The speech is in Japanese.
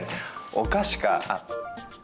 お菓子か。